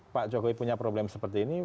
pak jokowi punya problem seperti ini